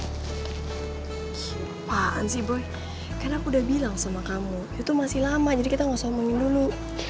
apaan sih boy kan aku udah bilang sama kamu itu masih lama jadi kita nggak usah omongin dulu